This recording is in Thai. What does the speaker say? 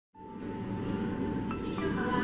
สวัสดีครับ